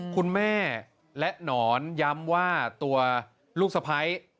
คุณแม่และหนอนย้ำว่าตัวลูกสะพ้าย